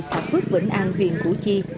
xã phước vĩnh an huyện củ chi